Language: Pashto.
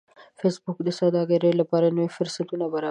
فېسبوک د سوداګرۍ لپاره لوی فرصتونه برابروي